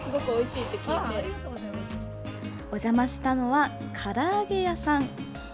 お邪魔したのは、から揚げ屋さん。